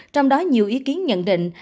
trong đó nhiều ý kiến nhận định